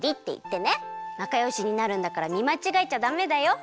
なかよしになるんだからみまちがえちゃダメだよ。